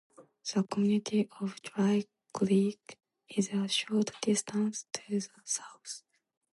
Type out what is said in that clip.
The community of Dry Creek is a short distance to the south.